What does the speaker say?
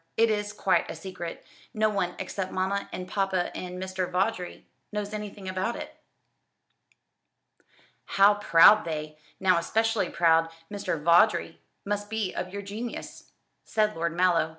It is quite a secret. No one except mamma and papa, and Mr. Vawdrey knows anything about it." "How proud they how especially proud Mr. Vawdrey must be of your genius," said Lord Mallow.